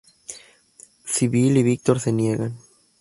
Sybil y Victor se niegan.